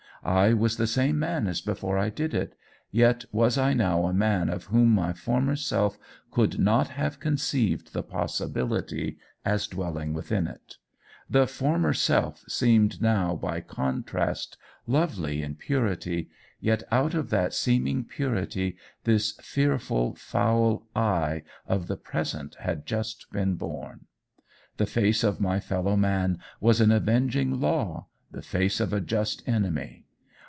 I was the same man as before I did it, yet was I now a man of whom my former self could not have conceived the possibility as dwelling within it. The former self seemed now by contrast lovely in purity, yet out of that seeming purity this fearful, foul I of the present had just been born! The face of my fellow man was an avenging law, the face of a just enemy.